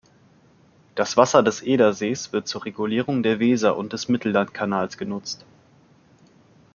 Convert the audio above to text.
Das Wasser des Edersees wird zur Regulierung der Weser und des Mittellandkanals genutzt.